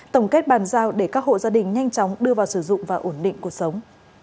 tổng kết bàn giao để các hộ gia đình nhanh chóng đưa vào sử dụng và ổn định cuộc sống